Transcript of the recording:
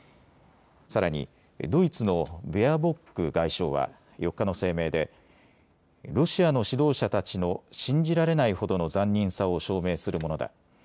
さらにドイツのベアボック外相は４日の声明でロシアの指導者たちの信じられないほどの残忍さを証明するものだ。